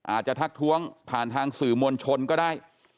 ทักท้วงผ่านทางสื่อมวลชนก็ได้